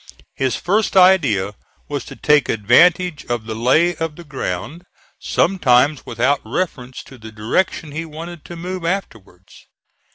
His first idea was to take advantage of the lay of the ground, sometimes without reference to the direction we wanted to move afterwards.